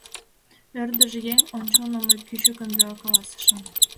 Ӧрдыж еҥ ончылно мый кӱчыкын веле каласышым.